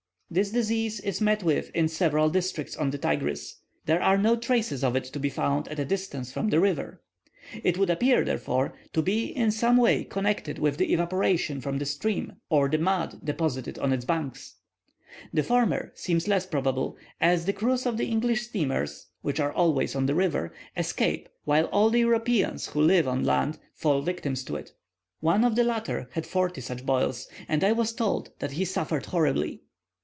This disease is met with in several districts on the Tigris; there are no traces of it to be found at a distance from the river. It would appear, therefore, to be, in some way, connected with the evaporation from the stream, or the mud deposited on its banks; the former seems less probable, as the crews of the English steamers, which are always on the river, escape, while all the Europeans who live on land fall victims to it. One of the latter had forty such boils, and I was told that he suffered horribly.